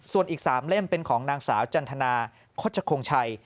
ส่วนอีก๓เล่มเป็นของนางสาวจันทนาโฆษคงชัย